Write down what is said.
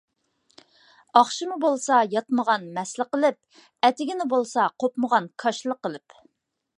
ئاخشىمى بولسا ياتمىغان مەسلە قىلىپ ئەتىگىنى بولسا قوپمىغان كاشىلا قىلىپ